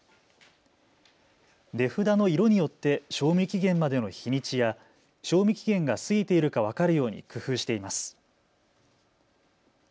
値札の色によって賞味期限までの日にちや賞味期限が過ぎているか分かるように工夫しています。